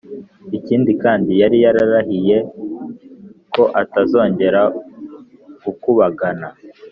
ikindi kandi yari yararahiye ko atazongera gukubagana